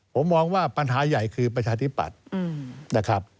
ผมมองว่าปัญหาใยคือประชาธิปัตธิ์